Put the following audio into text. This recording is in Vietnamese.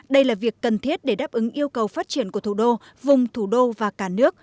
đây là việc cần thiết để đáp ứng yêu cầu phát triển của thủ đô vùng thủ đô và cả nước